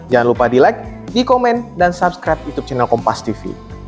jangan lupa di like di komen dan subscribe youtube channel kompastv